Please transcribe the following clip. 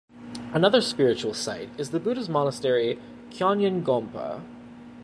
Another spiritual site is the Buddhist monastery Kyanjin Gompa.